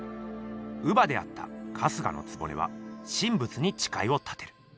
乳母であった春日局は神仏にちかいを立てる。